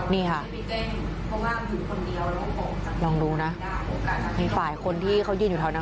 นี่ค่ะลองดูนะมีฝ่ายคนที่เขายืนอยู่เท่านั้น